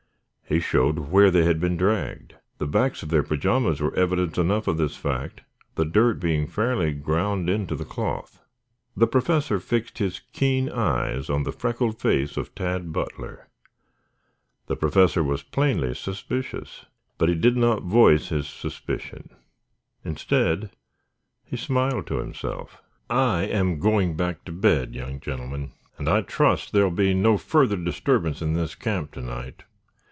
He showed where they had been dragged. The backs of their pajamas were evidence enough of this fact, the dirt being fairly ground into the cloth. The Professor fixed his keen eyes on the freckled face of Tad Butler. The Professor was plainly suspicious, but he did not voice his suspicion. Instead, he smiled to himself. "I am going back to bed, young gentlemen, and I trust there will be no further disturbance in this camp to night.